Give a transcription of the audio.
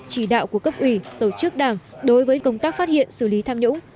chỉ đạo của cấp ủy tổ chức đảng đối với công tác phát hiện xử lý tham nhũng